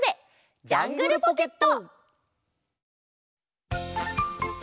「ジャングルポケット」！